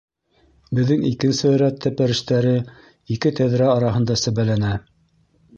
Беҙҙең икенсе рәт тәпәрештәре ике тәҙрә араһында сәбәләнә.